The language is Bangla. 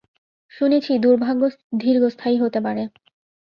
শুনেছি দুর্ভাগ্য দীর্ঘস্থায়ী হতে পারে।